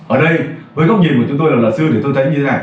ở đây với góc nhìn của chúng tôi là lạc sư thì tôi thấy như thế này